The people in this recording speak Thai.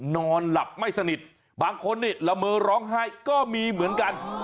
นอนหลับไม่สนิทบางคนนี่ละเมอร้องไห้ก็มีเหมือนกัน